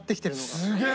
すげえ！